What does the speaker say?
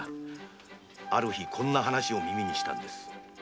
ある日こんな話を耳にしたんです。